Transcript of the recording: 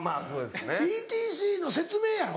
ＥＴＣの説明やろ？